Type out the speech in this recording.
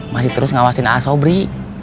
masih terus ngawasin asobri